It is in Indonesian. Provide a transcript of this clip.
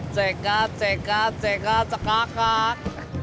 cekat cekat cekat cekakat